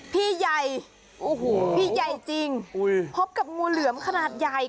พี่ใหญ่โอ้โหพี่ใหญ่จริงพบกับงูเหลือมขนาดใหญ่